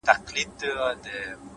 لوړ هدفونه روښانه تمرکز غواړي,